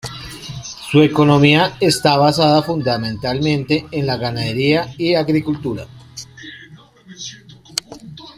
Su economía está basada fundamentalmente en la ganadería y agricultura.